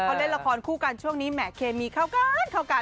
เขาได้ละครคู่กันช่วงนี้แหม่เคมีเข้ากัน